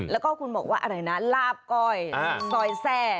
แล้วก็คุณบอกว่าอะไรนะลาบก้อยซอยแทร่